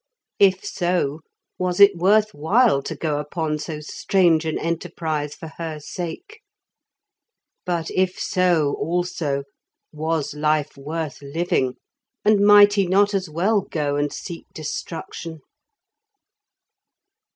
If so, was it worth while to go upon so strange an enterprise for her sake? But if so, also, was life worth living, and might he not as well go and seek destruction?